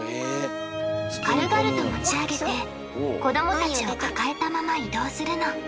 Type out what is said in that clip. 軽々と持ち上げて子どもたちを抱えたまま移動するの。